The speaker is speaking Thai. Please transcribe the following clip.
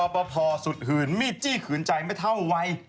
พระพพ่อสุดหื่นมิจิขืนใจไม่เท่าวัย๗๐